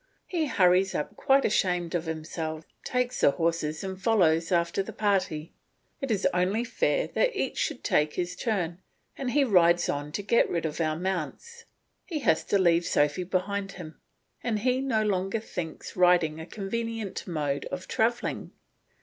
He hurries up quite ashamed of himself, takes the horses, and follows after the party. It is only fair that each should take his turn and he rides on to get rid of our mounts. He has to leave Sophy behind him, and he no longer thinks riding a convenient mode of travelling.